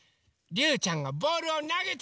りゅうちゃんがボールをなげて。